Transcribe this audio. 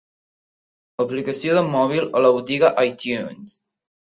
Aplicació de mòbil a la botiga iTunes.